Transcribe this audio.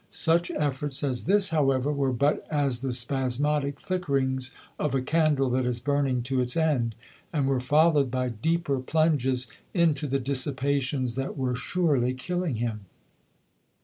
Such efforts as this, however, were but as the spasmodic flickerings of a candle that is burning to its end, and were followed by deeper plunges into the dissipations that were surely killing him.